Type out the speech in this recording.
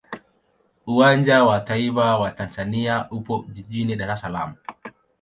Uwanja wa taifa wa Tanzania upo jijini Dar es Salaam.